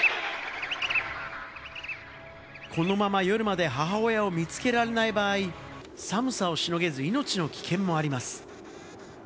このまま夜まで母親を見つけられない場合、寒さをしのげず、命の危険もあります。